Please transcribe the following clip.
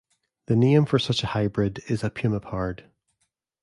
The name for such a hybrid is a Pumapard.